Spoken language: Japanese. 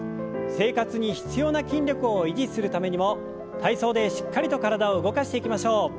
生活に必要な筋力を維持するためにも体操でしっかりと体を動かしていきましょう。